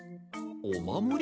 おまもり？